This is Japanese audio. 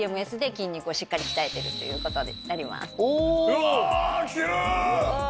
うわー。きてる。